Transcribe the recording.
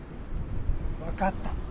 分かった。